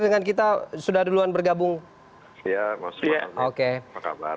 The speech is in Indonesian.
selamat malam bang saur prima kasih bang